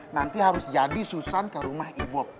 nanti harus jadi susann ke rumah ibob